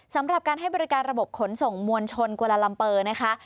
สำหรับการให้บริการระบบขนส่งมวลชนกวาลาลัมเปอร์นะคะ